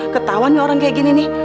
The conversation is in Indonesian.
ketauan ya orang kayak gini nih